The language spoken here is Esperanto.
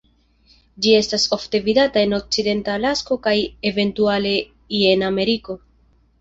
Ĝi estas ofte vidata en okcidenta Alasko kaj eventuale ie en Ameriko.